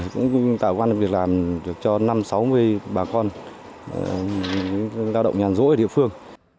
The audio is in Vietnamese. cũng tạo công an việc làm được cho năm sáu mươi bà con những lao động nhàn rỗi ở địa phương